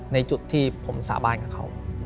ในจุดที่ผมสาบานกับเขา